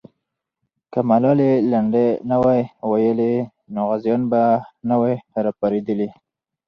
که ملالۍ لنډۍ نه وای ویلې، نو غازیان به نه وای راپارېدلي.